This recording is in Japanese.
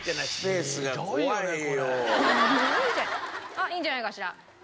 あっいいんじゃないかしら？